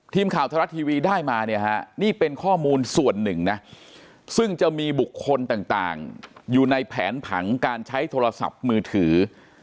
ทีมข่าวไทยรัฐทีวีได้มาเนี่ยฮะนี่เป็นข้อมูลส่วนหนึ่งนะซึ่งจะมีบุคคลต่างอยู่ในแผนผังการใช้โทรศัพท์มือถือ